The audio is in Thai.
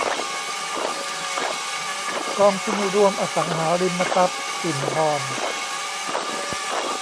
กองทุนรวมอสังหาริมทรัพย์ปิ่นทอง